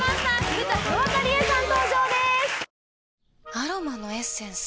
アロマのエッセンス？